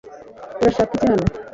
urashaka iki hano